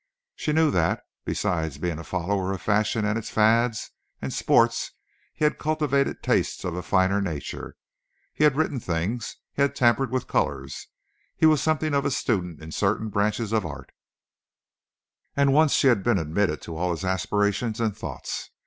She knew that, besides being a follower of fashion and its fads and sports, he had cultivated tastes of a finer nature. He had written things, he had tampered with colours, he was something of a student in certain branches of art, and once she had been admitted to all his aspirations and thoughts.